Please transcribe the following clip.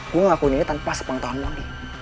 gue ngakuin ini tanpa sepengetahuan mondi